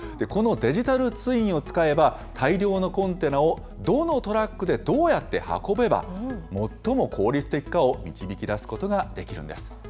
このデジタルツインを使えば、大量のコンテナをどのトラックでどうやって運べば最も効率的かを導き出すことができるんです。